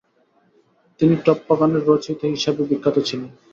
তিনি টপ্পাগানের রচয়িতা হিসাবেও বিখ্যাত ছিলেন।